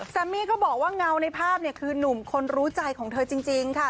มี่ก็บอกว่าเงาในภาพเนี่ยคือนุ่มคนรู้ใจของเธอจริงค่ะ